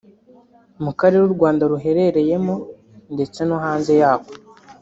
mu karere U Rwanda ruherereyemo ndetse no hanze yako